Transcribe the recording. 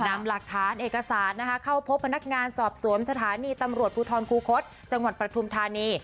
นำหลักฐานเอกสารนะคะเข้าพบพนักงานสอบสวนสถานีตำรวจภูทรคูคศจังหวัดปฐุมธานี